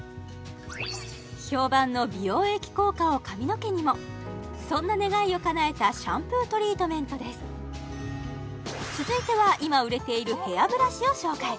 評判のそんな願いをかなえたシャンプートリートメントです続いては今売れているヘアブラシを紹介